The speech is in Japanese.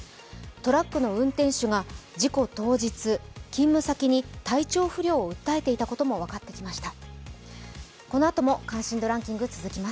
トラックの運転手が事故当日勤務先に体調不良を訴えていたことが分かりました。